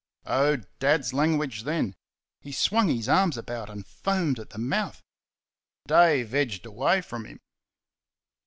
Oh, Dad's language then! He swung his arms about and foamed at the mouth. Dave edged away from him.